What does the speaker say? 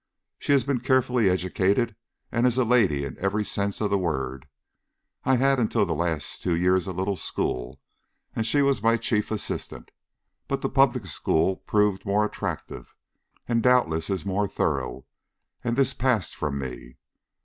She has been carefully educated and is a lady in every sense of the word. I had until the last two years a little school, and she was my chief assistant. But the public school proved more attractive and doubtless is more thorough and this passed from me.